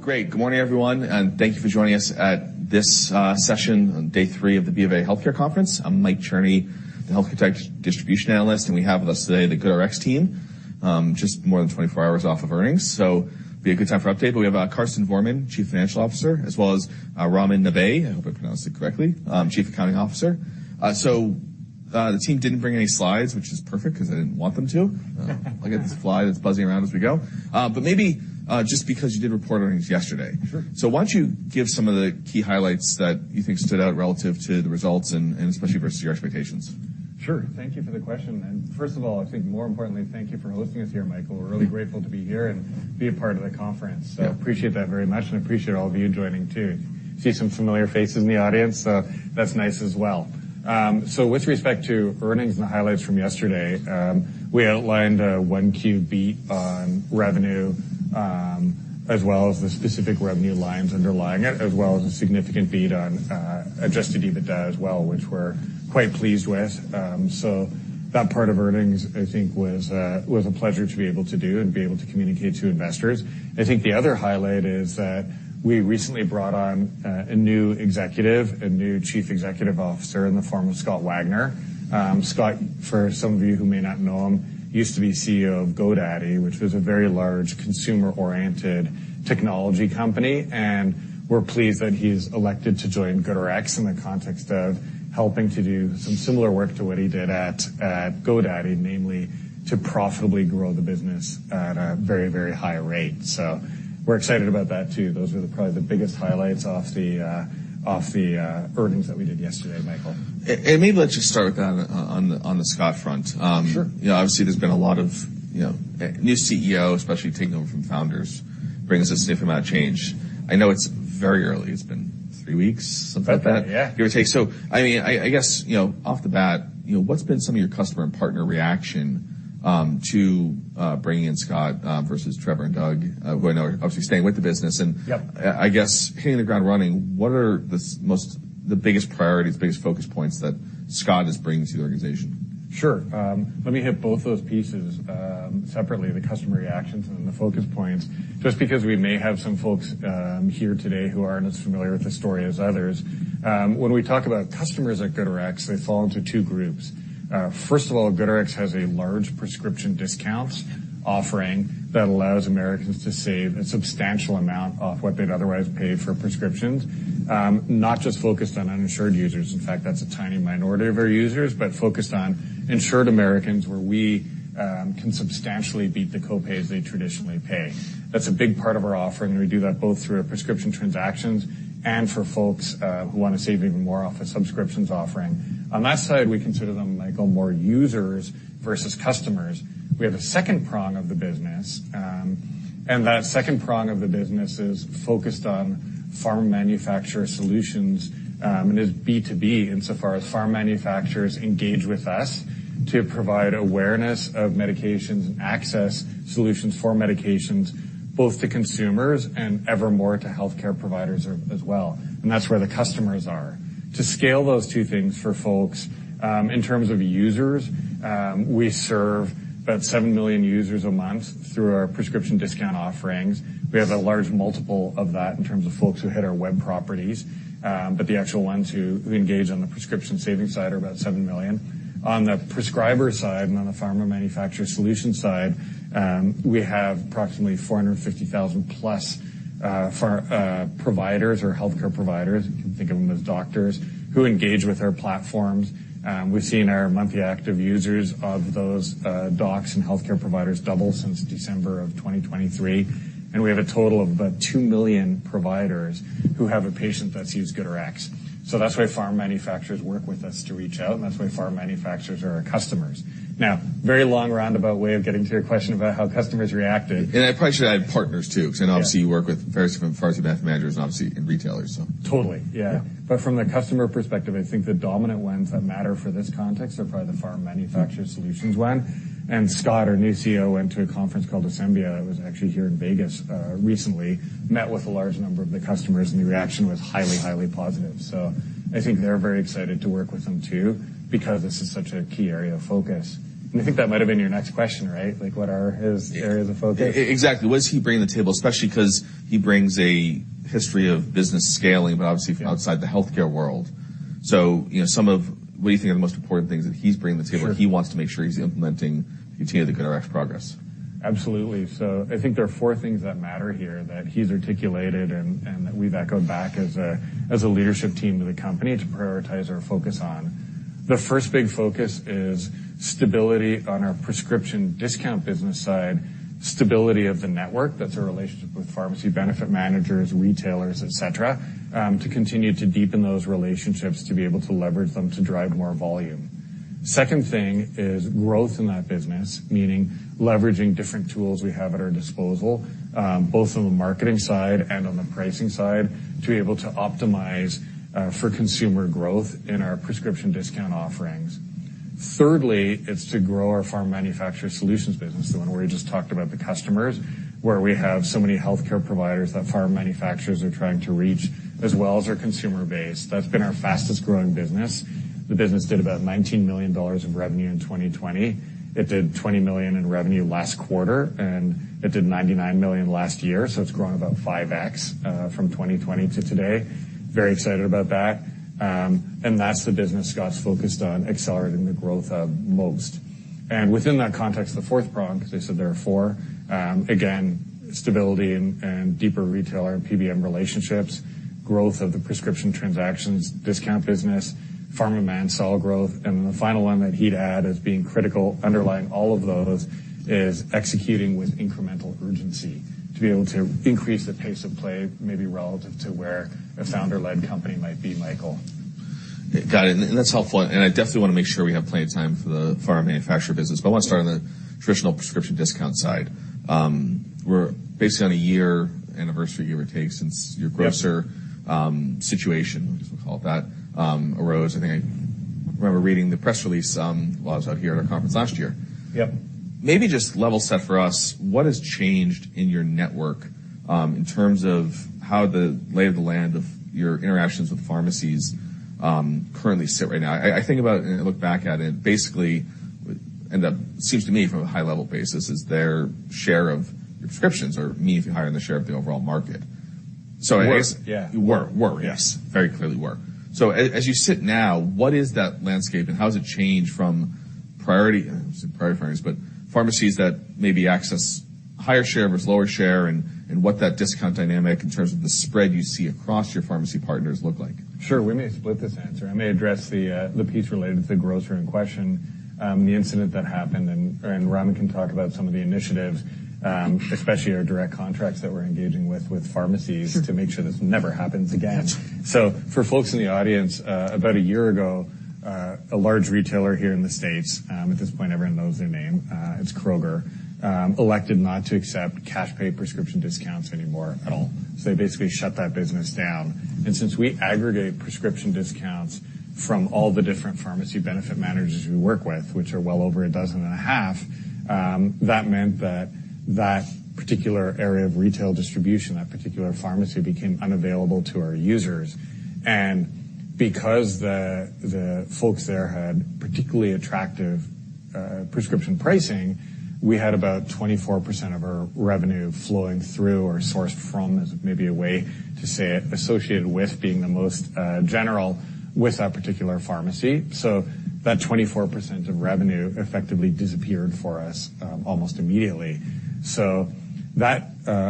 Great. Good morning, everyone, and thank you for joining us at this session on day 3 of the BofA Healthcare Conference. I'm Michael Cherny, the healthcare tech distribution analyst, and we have with us today the GoodRx team, just more than 24 hours off of earnings, so be a good time for update. We have Karsten Verweyen, Chief Financial Officer, as well as Rajat Ghiya, I hope I pronounced it correctly, Chief Accounting Officer. The team didn't bring any slides, which is perfect 'cause I didn't want them to. I'll get this fly that's buzzing around as we go. Maybe just because you did report earnings yesterday. Sure. Why don't you give some of the key highlights that you think stood out relative to the results and especially versus your expectations? Sure. Thank you for the question. First of all, I think more importantly, thank you for hosting us here, Michael. We're really grateful to be here and be a part of the conference. Yeah. Appreciate that very much, and appreciate all of you joining too. See some familiar faces in the audience, so that's nice as well. With respect to earnings and the highlights from yesterday, we outlined a Q1 beat on revenue, as well as the specific revenue lines underlying it, as well as a significant beat on adjusted EBITDA as well, which we're quite pleased with. That part of earnings, I think was a pleasure to be able to do and be able to communicate to investors. I think the other highlight is that we recently brought on a new executive, a new Chief Executive Officer in the form of Scott Wagner. Scott, for some of you who may not know him, used to be CEO of GoDaddy, which was a very large consumer-oriented technology company, and we're pleased that he's elected to join GoodRx in the context of helping to do some similar work to what he did at GoDaddy, namely, to profitably grow the business at a very, very high rate. We're excited about that too. Those are probably the biggest highlights of the earnings that we did yesterday, Michael. Maybe let's just start with that on the Scott front. Sure. you know, obviously there's been a lot of, you know, new CEO, especially taking over from founders, brings a significant amount of change. I know it's very early. It's been 3 weeks, something like that. About that, yeah. Give or take. I mean, I guess, you know, off the bat, you know, what's been some of your customer and partner reaction to bringing in Scott versus Trevor and Doug, who I know are obviously staying with the business? Yep. I guess hitting the ground running, what are the biggest priorities, biggest focus points that Scott is bringing to the organization? Sure. Let me hit both those pieces, separately, the customer reactions and then the focus points, just because we may have some folks here today who aren't as familiar with the story as others. When we talk about customers at GoodRx, they fall into 2 groups. First of all, GoodRx has a large prescription discounts offering that allows Americans to save a substantial amount off what they'd otherwise pay for prescriptions, not just focused on uninsured users. In fact, that's a tiny minority of our users, but focused on insured Americans, where we can substantially beat the co-pays they traditionally pay. That's a big part of our offering. We do that both through our prescription transactions and for folks who wanna save even more off a subscriptions offering. On that side, we consider them like, more users versus customers. We have a second prong of the business. That second prong of the business is focused on Pharma Manufacturer Solutions, and is B2B insofar as pharma manufacturers engage with us to provide awareness of medications and access solutions for medications, both to consumers and ever more to healthcare providers as well. That's where the customers are. To scale those two things for folks, in terms of users, we serve about 7 million users a month through our prescription discount offerings. We have a large multiple of that in terms of folks who hit our web properties, but the actual ones who engage on the prescription savings side are about 7 million. On the prescriber side, on the Pharma Manufacturer Solutions side, we have approximately 450,000+ providers or healthcare providers, you can think of them as doctors, who engage with our platforms. We've seen our monthly active users of those docs and healthcare providers double since December of 2023, and we have a total of about 2 million providers who have a patient that's used GoodRx. That's why pharma manufacturers work with us to reach out, that's why pharma manufacturers are our customers. Very long roundabout way of getting to your question about how customers reacted. I probably should add partners too, 'cause then obviously... Yeah. You work with various different Pharmacy Benefit Managers and obviously, and retailers, so. Totally, yeah. Yeah. From the customer perspective, I think the dominant ones that matter for this context are probably the Pharma Manufacturer Solutions one. Scott, our new CEO, went to a conference called The ASSEMBLY Show, that was actually here in Vegas, recently, met with a large number of the customers, and the reaction was highly positive. I think they're very excited to work with him too because this is such a key area of focus. I think that might've been your next question, right? Like what are his areas of focus? Exactly. What does he bring to the table? Especially 'cause he brings a history of business scaling, but obviously from outside the healthcare world. you know, what do you think are the most important things that he's bringing to the table? Sure. He wants to make sure he's implementing and continuing the GoodRx progress? Absolutely. I think there are four things that matter here that he's articulated and that we've echoed back as a leadership team to the company to prioritize our focus on. The first big focus is stability on our prescription discount business side, stability of the network. That's our relationship with Pharmacy Benefit Managers, retailers, et cetera, to continue to deepen those relationships to be able to leverage them to drive more volume. Second thing is growth in that business, meaning leveraging different tools we have at our disposal, both on the marketing side and on the pricing side, to be able to optimize for consumer growth in our prescription discount offerings. Thirdly, it's to grow our Pharma Manufacturer Solutions business, the one where you just talked about the customers, where we have so many healthcare providers that pharma manufacturers are trying to reach, as well as our consumer base. That's been our fastest-growing business. The business did about $19 million in revenue in 2020. It did $20 million in revenue last quarter, and it did $99 million last year. It's grown about 5x from 2020 to today. Very excited about that. That's the business Scott's focused on accelerating the growth of most. Within that context, the fourth prong, 'cause I said there are four, again, stability and deeper retailer and PBM relationships, growth of the prescription transactions, discount business, pharma demand, solid growth. Then the final one that he'd add as being critical underlying all of those is executing with incremental urgency to be able to increase the pace of play, maybe relative to where a founder-led company might be, Michael. Got it. That's helpful. I definitely wanna make sure we have plenty of time for the pharma manufacturer business. I wanna start on the traditional prescription discount side. we're basically on a year anniversary, give or take, since your grocer- Yep. Situation, I guess we'll call it that, arose. I think I remember reading the press release, while I was out here at our conference last year. Yep. Maybe just level set for us, what has changed in your network, in terms of how the lay of the land of your interactions with pharmacies, currently sit right now? I think about and I look back at it, basically, end up seems to me from a high-level basis is their share of prescriptions or me if you're hiring the share of the overall market. I guess. Were. Yeah. Were. Yes. Very clearly were. As you sit now, what is that landscape and how has it changed from priority partners, but pharmacies that maybe access higher share versus lower share and what that discount dynamic in terms of the spread you see across your pharmacy partners look like? Sure. We may split this answer. I may address the piece related to the grocer in question, the incident that happened, and Rajat can talk about some of the initiatives, especially our direct contracts that we're engaging with pharmacies. Sure. to make sure this never happens again. Gotcha. For folks in the audience, about a year ago, a large retailer here in the States, at this point, everyone knows their name, it's Kroger, elected not to accept cash pay prescription discounts anymore at all. They basically shut that business down. Since we aggregate prescription discounts from all the different pharmacy benefit managers we work with, which are well over a dozen and a half, that meant that particular area of retail distribution, that particular pharmacy became unavailable to our users. Because the folks there had particularly attractive prescription pricing, we had about 24% of our revenue flowing through or sourced from, as maybe a way to say it, associated with being the most general with that particular pharmacy. That 24% of revenue effectively disappeared for us, almost immediately. That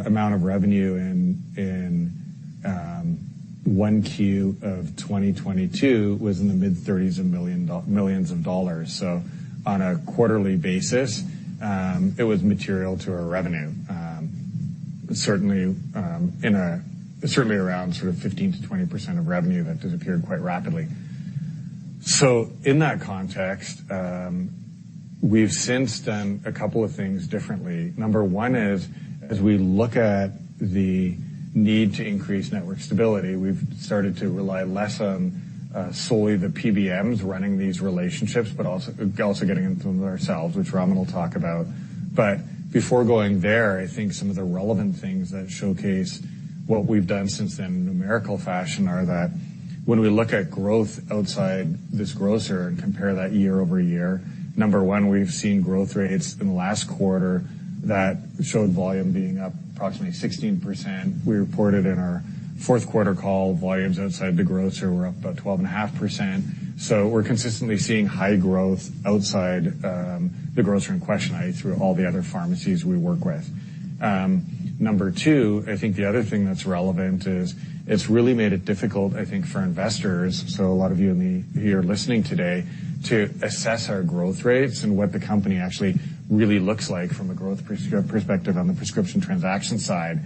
amount of revenue in Q1 2022 was in the mid-$30 million. On a quarterly basis, it was material to our revenue. Certainly around 15%-20% of revenue that disappeared quite rapidly. In that context, we've since done a couple of things differently. Number one is, as we look at the need to increase network stability, we've started to rely less on solely the PBMs running these relationships, but also getting into them ourselves, which Rajat will talk about. Before going there, I think some of the relevant things that showcase what we've done since then in numerical fashion are that when we look at growth outside this grocer and compare that year-over-year, number 1, we've seen growth rates in the last quarter that showed volume being up approximately 16%. We reported in our fourth quarter call, volumes outside the grocer were up about 12.5%. We're consistently seeing high growth outside the grocer in question, i.e. through all the other pharmacies we work with. Number 2, I think the other thing that's relevant is it's really made it difficult, I think, for investors, so a lot of you and me here listening today, to assess our growth rates and what the company actually really looks like from a growth perspective on the prescription transaction side.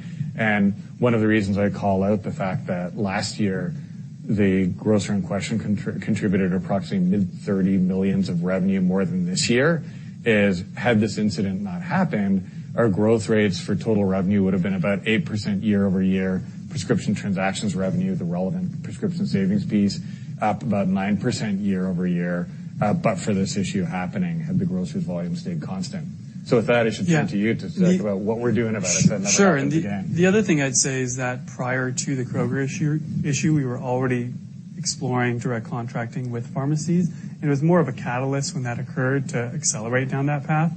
One of the reasons I call out the fact that last year, the grocer in question contributed approximately mid-$30 million of revenue more than this year is had this incident not happened, our growth rates for total revenue would have been about 8% year-over-year. Prescription transactions revenue, the relevant prescription savings piece, up about 9% year-over-year, but for this issue happening, had the grocer's volume stayed constant. With that, I should turn to you to talk about what we're doing about it so that never happens again. Sure. The other thing I'd say is that prior to the Kroger issue, we were already exploring direct contracting with pharmacies, and it was more of a catalyst when that occurred to accelerate down that path.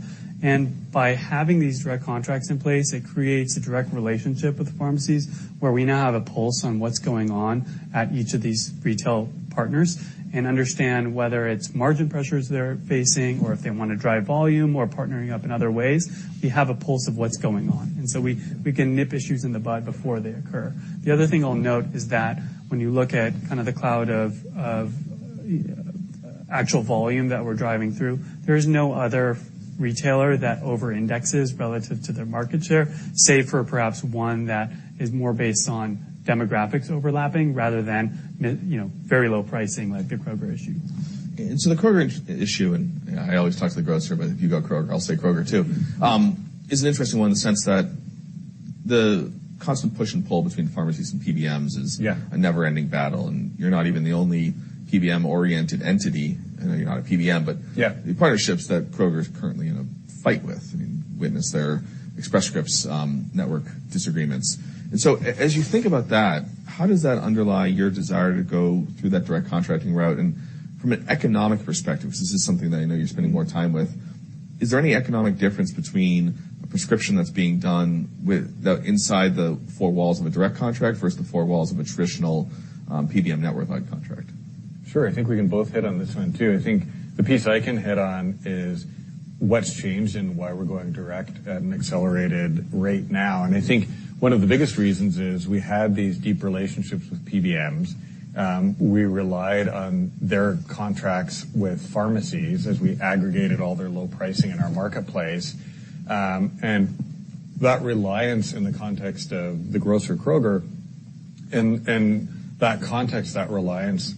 By having these direct contracts in place, it creates a direct relationship with the pharmacies, where we now have a pulse on what's going on at each of these retail partners and understand whether it's margin pressures they're facing or if they wanna drive volume or partnering up in other ways. We have a pulse of what's going on, so we can nip issues in the bud before they occur. The other thing I'll note is that when you look at kind of the cloud of actual volume that we're driving through, there is no other retailer that over-indexes relative to their market share, save for perhaps one that is more based on demographics overlapping rather than you know, very low pricing like the Kroger issue. The Kroger issue, and I always talk to the grocer, but if you go Kroger, I'll say Kroger too, is an interesting one in the sense that the constant push and pull between pharmacies and PBMs. Yeah. A never-ending battle, and you're not even the only PBM-oriented entity. I know you're not a PBM, but. Yeah. the partnerships that Kroger's currently in a fight with, I mean, witness their Express Scripts network disagreements. As you think about that, how does that underlie your desire to go through that direct contracting route? From an economic perspective, 'cause this is something that I know you're spending more time with, is there any economic difference between a prescription that's being done with the inside the four walls of a direct contract versus the four walls of a traditional, PBM network-wide contract? Sure. I think we can both hit on this one, too. I think the piece I can hit on is what's changed and why we're going direct at an accelerated rate now. I think one of the biggest reasons is we had these deep relationships with PBMs. We relied on their contracts with pharmacies as we aggregated all their low pricing in our marketplace. And that reliance in the context of the grocer Kroger, and that context, that reliance,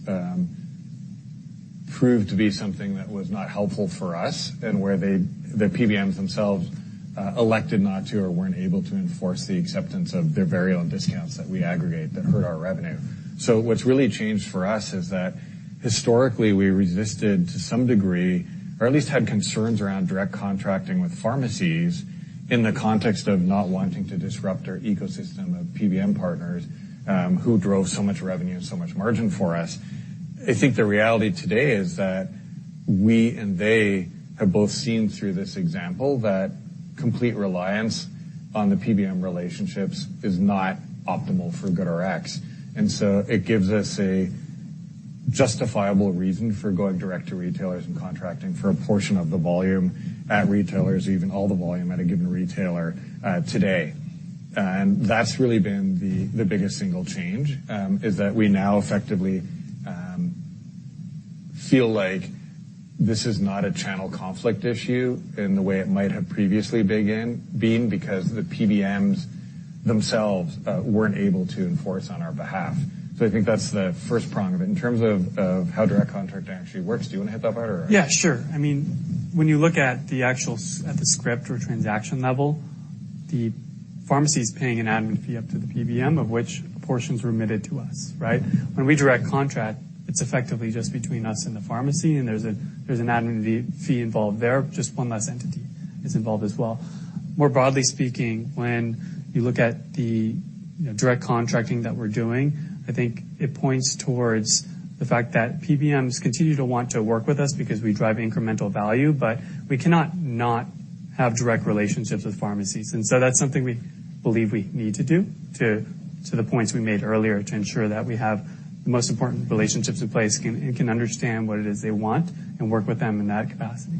proved to be something that was not helpful for us and where the PBMs themselves elected not to or weren't able to enforce the acceptance of their very own discounts that we aggregate which hurt our revenue. What's really changed for us is that historically, we resisted to some degree, or at least had concerns around direct contracting with pharmacies in the context of not wanting to disrupt our ecosystem of PBM partners, who drove so much revenue and so much margin for us. I think the reality today is that we and they have both seen through this example that complete reliance on the PBM relationships is not optimal for GoodRx. It gives us a justifiable reason for going direct to retailers and contracting for a portion of the volume at retailers, even all the volume at a given retailer, today. That's really been the biggest single change, is that we now effectively feel like this is not a channel conflict issue in the way it might have previously been, because the PBMs themselves weren't able to enforce on our behalf. I think that's the first prong of it. In terms of how direct contracting actually works. Do you wanna hit that, Rajat, or? Yeah, sure. I mean, when you look at the actual at the script or transaction level, the pharmacy's paying an admin fee up to the PBM, of which a portion's remitted to us, right? When we direct contract, it's effectively just between us and the pharmacy, and there's an admin fee involved there, just one less entity is involved as well. More broadly speaking, when you look at the, you know, direct contracting that we're doing, I think it points towards the fact that PBMs continue to want to work with us because we drive incremental value, but we cannot have direct relationships with pharmacies. That's something we believe we need to do, to the points we made earlier, to ensure that we have the most important relationships in place, and can understand what it is they want and work with them in that capacity.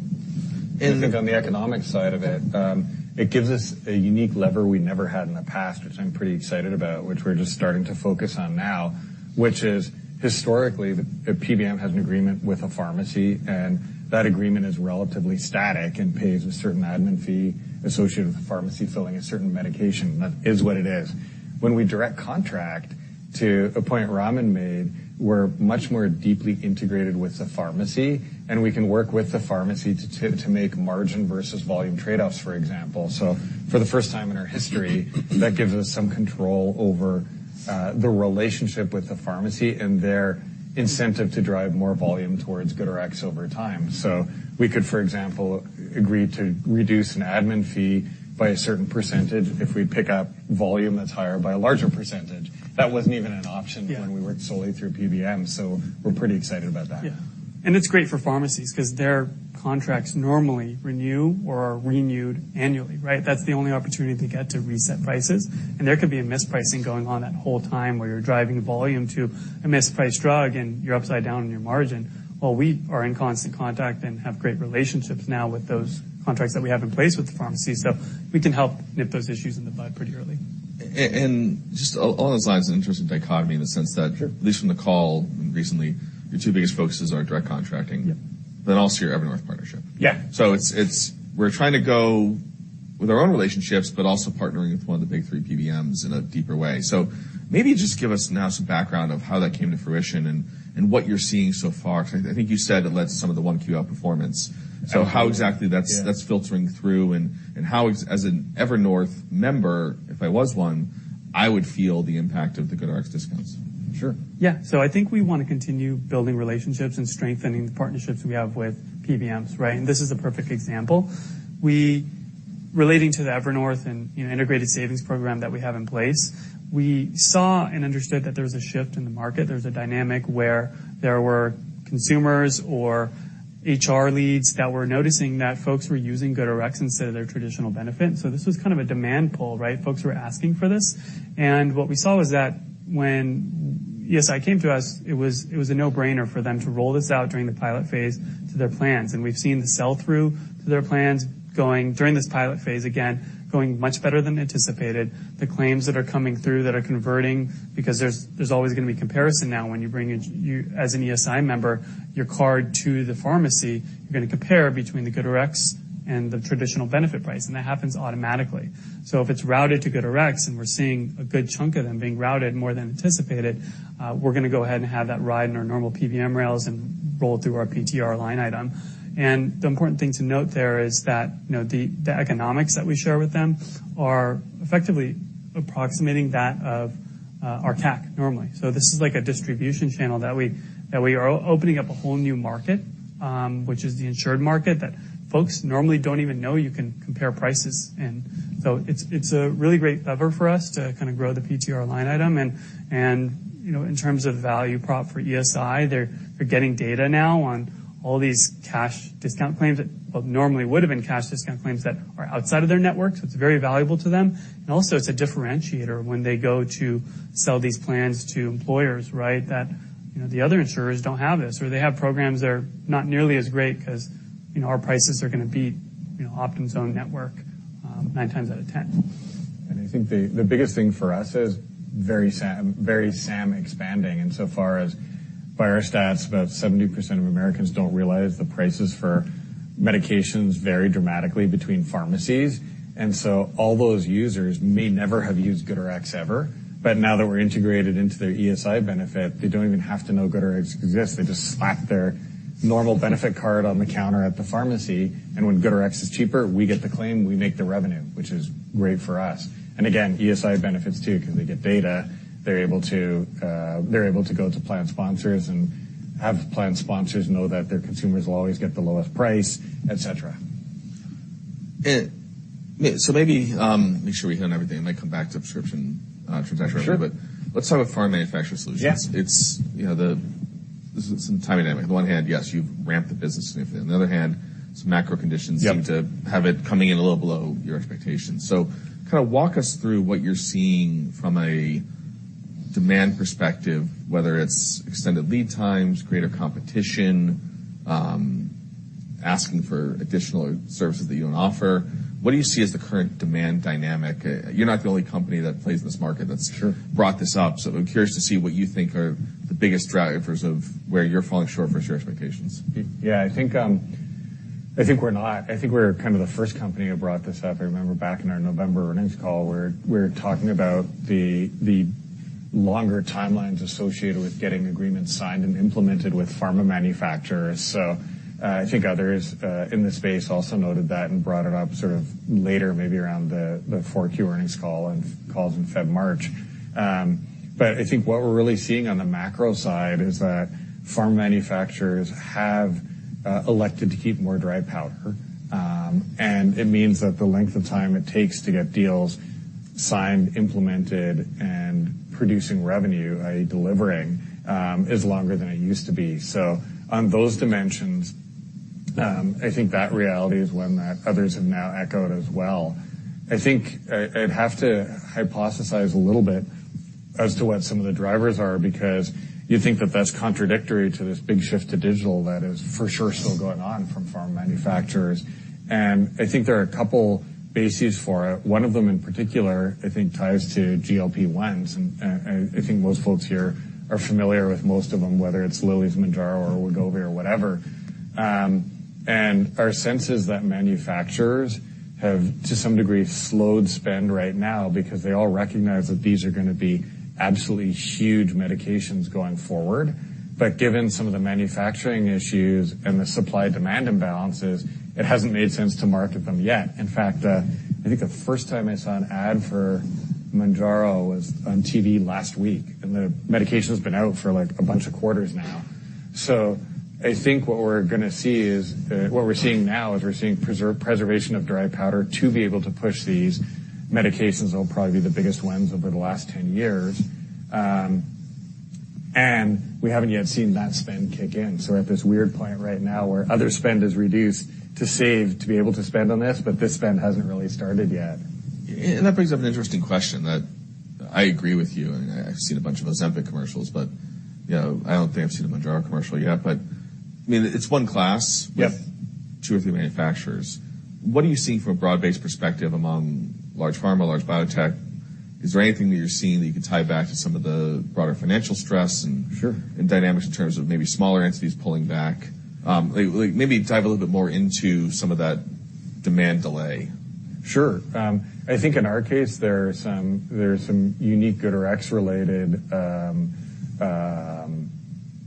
I think on the economic side of it gives us a unique lever we never had in the past, which I'm pretty excited about, which we're just starting to focus on now, which is, historically, a PBM has an agreement with a pharmacy, and that agreement is relatively static and pays a certain admin fee associated with the pharmacy filling a certain medication. That is what it is. When we direct contract, to a point Rajat made, we're much more deeply integrated with the pharmacy, and we can work with the pharmacy to make margin versus volume trade-offs, for example. For the first time in our history, that gives us some control over the relationship with the pharmacy and their incentive to drive more volume towards GoodRx over time. We could, for example, agree to reduce an admin fee by a certain percentage if we pick up volume that's higher by a larger percentage. That wasn't even an option. Yeah. When we worked solely through PBMs, we're pretty excited about that. Yeah. It's great for pharmacies 'cause their contracts normally renew or are renewed annually, right? That's the only opportunity they get to reset prices, and there could be a mispricing going on that whole time where you're driving volume to a mispriced drug, and you're upside down on your margin. We are in constant contact and have great relationships now with those contracts that we have in place with the pharmacy, so we can help nip those issues in the bud pretty early. Just on those lines, an interesting dichotomy in the sense that. Sure. At least from the call recently, your two biggest focuses are direct contracting. Yeah. Also your Evernorth partnership. Yeah. It's, we're trying to go with our own relationships, but also partnering with one of the big 3 PBMs in a deeper way. Maybe just give us now some background of how that came to fruition and what you're seeing so far. 'Cause I think you said it led to some of the Q1 outperformance. How exactly that's? Yeah. -that's filtering through and how as an Evernorth member, if I was one, I would feel the impact of the GoodRx discounts. Sure. Yeah. I think we wanna continue building relationships and strengthening the partnerships we have with PBMs, right? This is a perfect example. Relating to the Evernorth and, you know, Integrated Savings Program that we have in place, we saw and understood that there was a shift in the market. There was a dynamic where there were consumers or HR leads that were noticing that folks were using GoodRx instead of their traditional benefit. This was kind of a demand pull, right? Folks were asking for this. What we saw was that when ESI came to us, it was a no-brainer for them to roll this out during the pilot phase to their plans. We've seen the sell-through to their plans during this pilot phase, again, going much better than anticipated. The claims that are coming through that are converting because there's always gonna be comparison now when you bring as an ESI member, your card to the pharmacy, you're gonna compare between the GoodRx and the traditional benefit price, and that happens automatically. If it's routed to GoodRx, and we're seeing a good chunk of them being routed more than anticipated, we're gonna go ahead and have that ride in our normal PBM rails and roll it through our PTR line item. The important thing to note there is that, you know, the economics that we share with them are effectively approximating that of Our CAC normally. This is like a distribution channel that we are opening up a whole new market, which is the insured market that folks normally don't even know you can compare prices. It's a really great lever for us to kinda grow the PTR line item. And, you know, in terms of value prop for ESI, they're getting data now on all these cash discount claims that what normally would've been cash discount claims that are outside of their network. It's very valuable to them. Also it's a differentiator when they go to sell these plans to employers, right? That, you know, the other insurers don't have this, or they have programs that are not nearly as great 'cause, you know, our prices are gonna beat, you know, Optum's own network, nine times out of 10. I think the biggest thing for us is Very Sam expanding. So far as by our stats show that, about 70% of Americans don't realize the prices for medications vary dramatically between pharmacies. All those users may never have used GoodRx ever. Now that we're integrated into their ESI benefit, they don't even have to know GoodRx exists. They just slap their normal benefit card on the counter at the pharmacy, and when GoodRx is cheaper, we get the claim, we make the revenue, which is great for us. Again, ESI benefits too, 'cause they get data. They're able to, they're able to go to plan sponsors and have plan sponsors know that their consumers will always get the lowest price, et cetera. Maybe make sure we hit on everything. I might come back to subscription, transactional. Sure. Let's talk about Pharma Manufacturer Solutions. Yes. It's, you know, the, this is some timing dynamic. On one hand, yes, you've ramped the business significantly. On the other hand, some macro conditions. Yep. Seems to have it coming in a little below your expectations. Kinda walk us through what you're seeing from a demand perspective, whether it's extended lead times, greater competition, asking for additional services that you don't offer. What do you see as the current demand dynamic? You're not the only company that plays in this market that's. Sure. brought this up, so I'm curious to see what you think are the biggest drivers of where you're falling short versus your expectations. Yeah, I think, I think we're not. I think we're kinda the first company that brought this up. I remember back in our November earnings call, we're talking about the longer timelines associated with getting agreements signed and implemented with pharma manufacturers. I think others in this space also noted that and brought it up sort of later, maybe around the 4Q earnings call and calls in Feb, March. I think what we're really seeing on the macro side is that pharma manufacturers have elected to keep more dry powder. It means that the length of time it takes to get deals signed, implemented, and producing revenue, i.e., delivering, is longer than it used to be. On those dimensions, I think that reality is one that others have now echoed as well. I think I'd have to hypothesize a little bit as to what some of the drivers are, because you'd think that that's contradictory to this big shift to digital that is for sure still going on from pharma manufacturers. I think there are a couple bases for it. One of them in particular, I think ties to GLP-1s, and I think most folks here are familiar with most of them, whether it's Lilly's Mounjaro or Wegovy or whatever. Our sense is that manufacturers have, to some degree, slowed spend right now because they all recognize that these are gonna be absolutely huge medications going forward. Given some of the manufacturing issues and the supply-demand imbalances, it hasn't made sense to market them yet. In fact, I think the first time I saw an ad for Mounjaro was on TV last week, and the medication's been out for like a bunch of quarters now. I think what we're gonna see is what we're seeing now is we're seeing preservation of dry powder to be able to push these medications that'll probably be the biggest ones over the last 10 years. We haven't yet seen that spend kick in. We're at this weird point right now where other spend is reduced to save, to be able to spend on this, but this spend hasn't really started yet. That brings up an interesting question that I agree with you, and I've seen a bunch of Ozempic commercials, but, you know, I don't think I've seen a Mounjaro commercial yet, but I mean, it's one class- Yep. With two or three manufacturers. What are you seeing from a broad-based perspective among large pharma, large biotech? Is there anything that you're seeing that you can tie back to some of the broader financial stress? Sure. dynamics in terms of maybe smaller entities pulling back? like, maybe dive a little bit more into some of that demand delay. Sure. I think in our case, there are some unique GoodRx-related,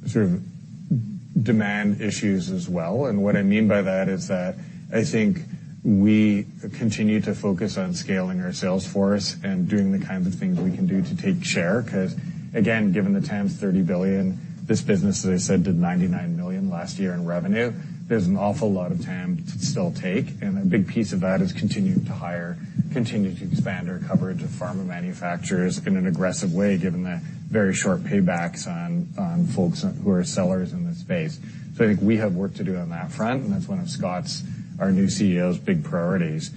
sort of demand issues as well. What I mean by that is that I think we continue to focus on scaling our sales force and doing the kinds of things we can do to take share. 'Cause again, given the TAM's $30 billion, this business, as I said, did $99 million last year in revenue. There's an awful lot of TAM to still take, and a big piece of that is continuing to hire, continuing to expand our coverage of pharma manufacturers in an aggressive way, given the very short paybacks on folks who are sellers in this space. I think we have work to do on that front, and that's one of Scott's, our new CEO's, big priorities.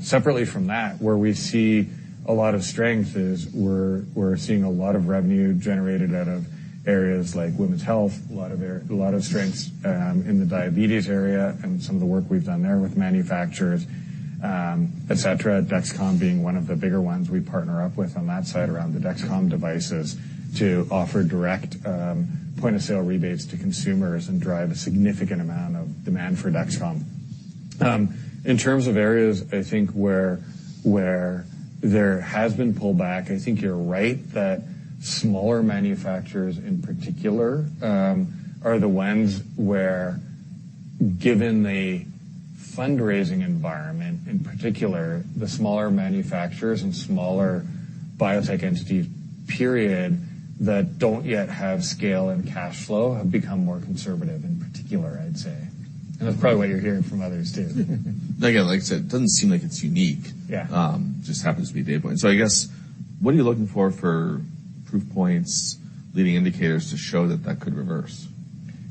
separately from that, where we see a lot of strength is we're seeing a lot of revenue generated out of areas like women's health, a lot of strengths in the diabetes area and some of the work we've done there with manufacturers, et cetera. Dexcom being one of the bigger ones we partner up with on that side around the Dexcom devices to offer direct point-of-sale rebates to consumers and drive a significant amount of demand for Dexcom. In terms of areas, I think where there has been pullback, I think you're right that smaller manufacturers in particular, are the ones where, given the fundraising environment, in particular, the smaller manufacturers and smaller biotech entities period that don't yet have scale and cash flow have become more conservative in particular, I'd say. That's probably what you're hearing from others too. Again, like I said, it doesn't seem like it's unique. Yeah. just happens to be Databricks. I guess, what are you looking for proof points, leading indicators to show that that could reverse?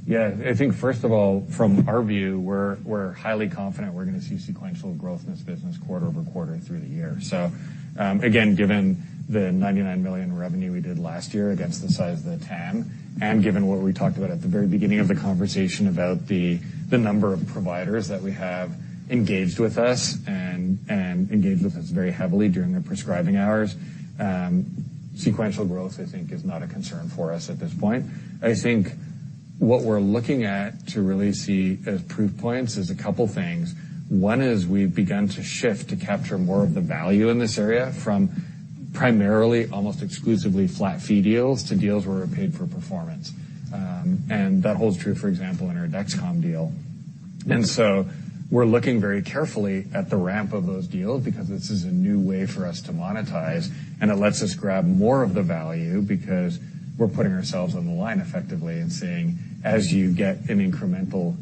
Yeah. I think first of all, from our view, we're highly confident we're gonna see sequential growth in this business quarter-over-quarter through the year. Again, given the $99 million revenue we did last year against the size of the TAM, and given what we talked about at the very beginning of the conversation about the number of providers that we have engaged with us and engaged with us very heavily during their prescribing hours, sequential growth, I think is not a concern for us at this point. I think what we're looking at to really see as proof points is a couple things. One is we've begun to shift to capture more of the value in this area from primarily almost exclusively flat fee deals to deals where we're paid for performance. That holds true, for example, in our Dexcom deal. We're looking very carefully at the ramp of those deals because this is a new way for us to monetize, and it lets us grab more of the value because we're putting ourselves on the line effectively and saying, as you get incremental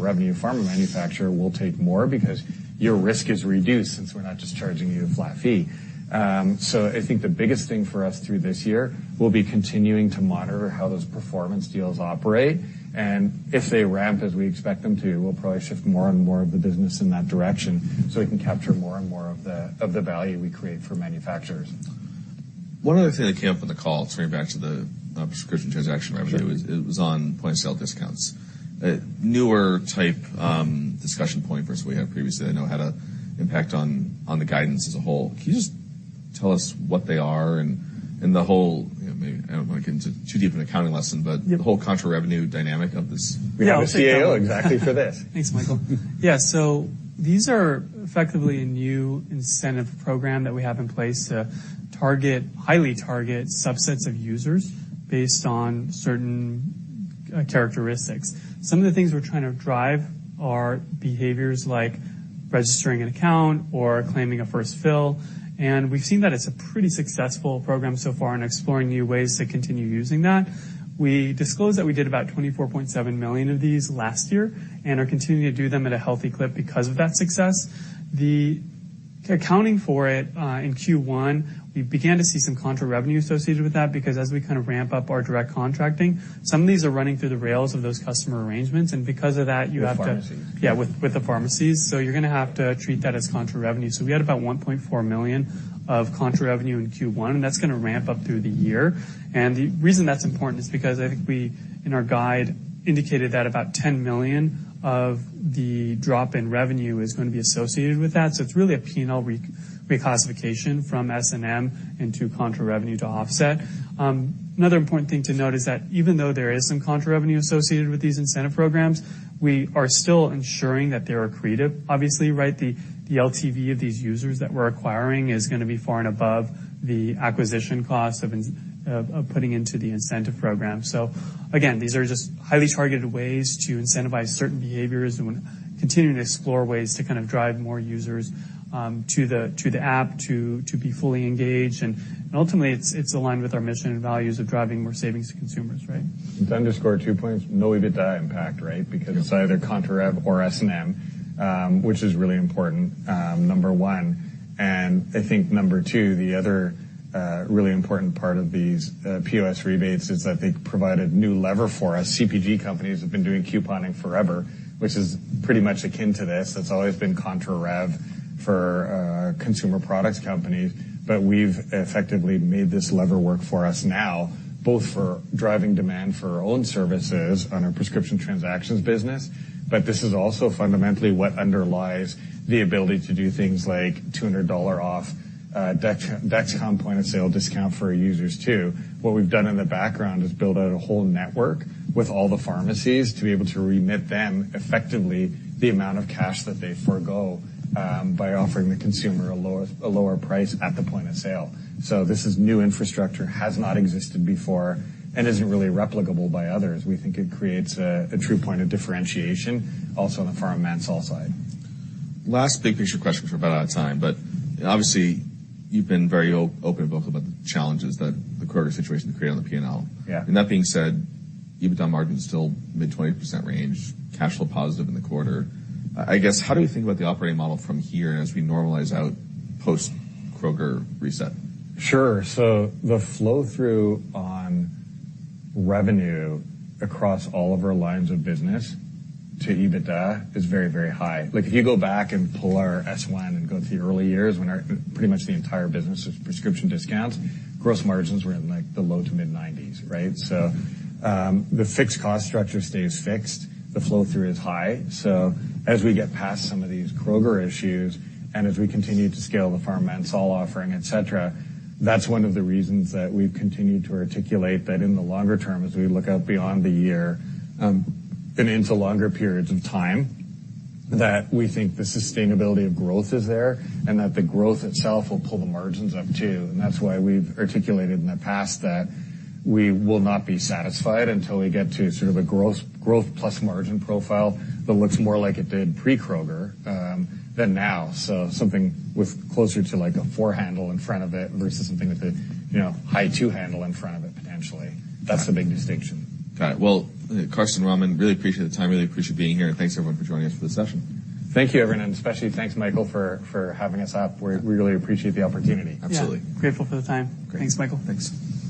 revenue, pharma manufacturer, we'll take more because your risk is reduced since we're not just charging you a flat fee. I think the biggest thing for us through this year will be continuing to monitor how those performance deals operate, and if they ramp as we expect them to, we'll probably shift more and more of the business in that direction, so we can capture more and more of the, of the value we create for manufacturers. One other thing that came up on the call, turning back to the Prescription transaction revenue. Sure. It was on point-of-sale discounts. A newer type discussion point versus we had previously, I know, had a impact on the guidance as a whole. Can you just tell us what they are and the whole, you know, maybe I don't wanna get into too deep an accounting lesson. Yeah. The whole contra revenue dynamic of this. Yeah. We have a CEO exactly for this. Thanks, Michael. These are effectively a new incentive program that we have in place to highly target subsets of users based on certain characteristics. Some of the things we're trying to drive are behaviors like registering an account or claiming a first fill. We've seen that it's a pretty successful program so far and exploring new ways to continue using that. We disclosed that we did about $24.7 million of these last year and are continuing to do them at a healthy clip because of that success. The accounting for it in Q1, we began to see some contra revenue associated with that because as we kind of ramp up our direct contracting, some of these are running through the rails of those customer arrangements. Because of that, you have to. With pharmacies. With the pharmacies. You're gonna have to treat that as contra revenue. We had about $1.4 million of contra revenue in Q1, and that's gonna ramp up through the year. The reason that's important is because I think we, in our guide, indicated that about $10 million of the drop in revenue is gonna be associated with that. It's really a P&L reclassification from S&M into contra revenue to offset. Another important thing to note is that even though there is some contra revenue associated with these incentive programs, we are still ensuring that they are accretive, obviously, right? The LTV of these users that we're acquiring is gonna be far and above the acquisition costs of putting into the incentive program. Again, these are just highly targeted ways to incentivize certain behaviors and we're continuing to explore ways to kind of drive more users to the app to be fully engaged. Ultimately, it's aligned with our mission and values of driving more savings to consumers, right? To underscore two points, no EBITDA impact, right? Because it's either contra rev or S&M, which is really important, number one. I think number two, the other, really important part of these, POS rebates is that they provide a new lever for us. CPG companies have been doing couponing forever, which is pretty much akin to this. That's always been contra rev for, consumer products companies. We've effectively made this lever work for us now, both for driving demand for our own services on our prescription transactions business, but this is also fundamentally what underlies the ability to do things like $200 off, Dexcom point-of-sale discount for our users too. What we've done in the background is build out a whole network with all the pharmacies to be able to remit them effectively the amount of cash that they forego, by offering the consumer a lower price at the point of sale. This is new infrastructure, has not existed before, and isn't really replicable by others. We think it creates a true point of differentiation also on the Pharma Solutions side. Last big picture question for about out time, but obviously, you've been very open and vocal about the challenges that the Kroger situation has created on the P&L. Yeah. That being said, EBITDA margin is still mid 20% range, cash flow positive in the quarter. I guess, how do we think about the operating model from here and as we normalize out post Kroger reset? Sure. The flow-through on revenue across all of our lines of business to EBITDA is very, very high. Like, if you go back and pull our S-1 and go to the early years when pretty much the entire business was prescription discounts, gross margins were in, like, the low to mid-90s, right? The fixed cost structure stays fixed, the flow-through is high. As we get past some of these Kroger issues, and as we continue to scale the PharmaInsul offering, et cetera, that's one of the reasons that we've continued to articulate that in the longer term, as we look out beyond the year and into longer periods of time, that we think the sustainability of growth is there and that the growth itself will pull the margins up too. That's why we've articulated in the past that we will not be satisfied until we get to sort of a growth plus margin profile that looks more like it did pre-Kroger than now. Something with closer to like a four-handle in front of it versus something with a, you know, high two-handle in front of it potentially. That's the big distinction. Got it. Well, Carson, Romin, really appreciate the time. Really appreciate being here, and thanks everyone for joining us for the session. Thank you, everyone, especially thanks, Michael, for having us up. We really appreciate the opportunity. Yeah. Absolutely. Grateful for the time. Great. Thanks, Michael. Thanks.